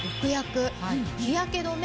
日焼け止め